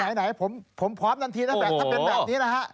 ไหนหน่อยผมพร้อมทันทีนะแต่ถ้าเป็นแบบนี้แหละ